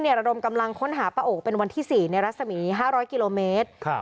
ระดมกำลังค้นหาป้าโอกเป็นวันที่๔ในรัศมี๕๐๐กิโลเมตร